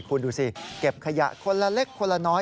คุณดูสิเก็บขยะคนละเล็กคนละน้อย